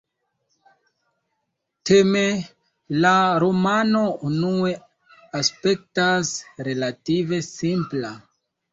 Teme, la romano unue aspektas relative simpla.